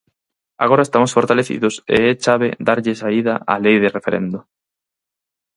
"Agora estamos fortalecidos e é chave dar lle saída á Lei de Referendo".